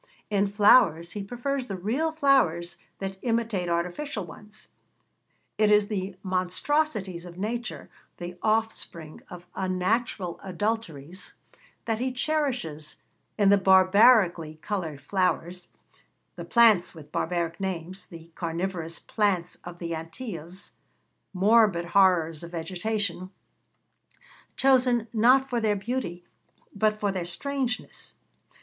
In flowers he prefers the real flowers that imitate artificial ones. It is the monstrosities of nature, the offspring of unnatural adulteries, that he cherishes in the barbarically coloured flowers, the plants with barbaric names, the carnivorous plants of the Antilles morbid horrors of vegetation, chosen, not for their beauty, but for their strangeness.